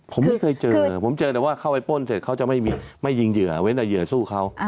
ผมไม่เคยเจอผมเจอแต่ว่าเข้าไปป้นเสร็จเขาจะไม่ยิงเหยื่อเว้นแต่เหยื่อสู้เขา